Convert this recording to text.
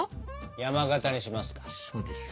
山型にしますか。